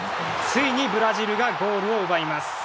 ついにブラジルがゴールを奪います。